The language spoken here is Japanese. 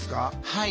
はい。